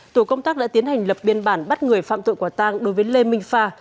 tổ công tác đã tiến hành lập biên bản bắt người phạm tội quả tang đối với lê minh phà